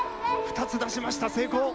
２つ出しました、成功！